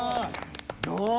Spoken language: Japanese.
どう？